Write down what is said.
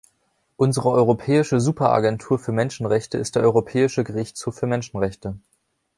Unsere europäische Superagentur für Menschenrechte ist der Europäische Gerichtshof für Menschenrechte.